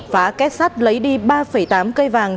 phá kết sát lấy đi ba tám cây vàng